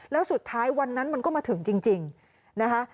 แล้วสุดท้ายวันนั้นมันก็มาถึงจริงนะคะ